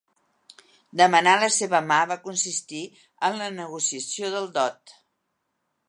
Demanar la seva mà va consistir en la negociació del dot.